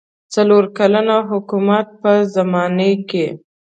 څلور کلن حکومت په زمانه کې.